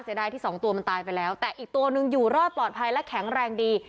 ได้ที่สองตัวมันตายไปแล้วแต่อีกตัวหนึ่งอยู่รอดปลอดภัยและแข็งแรงดี